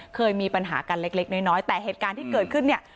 เคยมีปัญหากันเล็กน้อยแต่เหตุการณ์ที่เกิดขึ้นเนี่ย